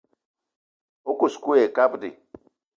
O kous kou ayi kabdi.